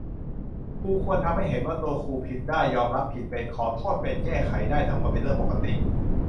ครูควรทำให้เห็นว่า ตัวครูผิดได้ ยอมรับผิดเป็น ขอโทษเป็น แก้ไขได้ ทั้งหมดเป็นเรื่องปกติ